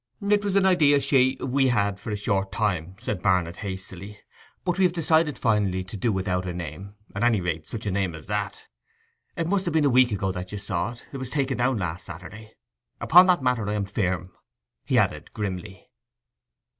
'It was an idea she—we had for a short time,' said Barnet hastily. 'But we have decided finally to do without a name—at any rate such a name as that. It must have been a week ago that you saw it. It was taken down last Saturday ... Upon that matter I am firm!' he added grimly.